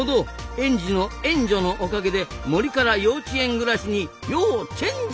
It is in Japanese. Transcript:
園児のエンジョのおかげで森から幼稚園暮らしにヨウチェンジ。